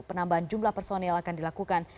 penambahan jumlah personil akan dilakukan